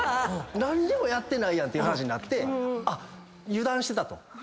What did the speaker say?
何にもやってないやんっていう話になって油断してたと。